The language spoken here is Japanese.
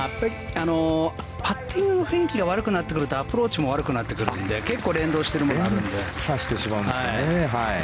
パッティングの雰囲気が悪くなってくるとアプローチも悪くなってくるので結構、連動している部分が連鎖してしまうんですね。